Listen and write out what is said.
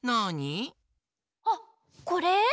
あっこれ？